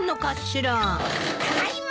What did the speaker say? ・ただいま！